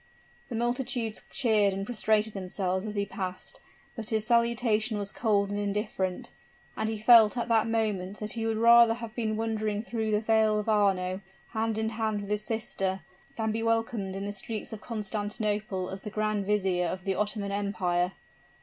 The multitudes cheered and prostrated themselves as he passed; but his salutation was cold and indifferent, and he felt at that moment that he would rather have been wandering through the Vale of Arno, hand in hand with his sister, than be welcomed in the streets of Constantinople as the Grand Vizier of the Ottoman Empire!